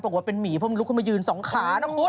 บอกว่าเป็นหมีเพราะมันลุกขึ้นมายืนสองขานะคุณ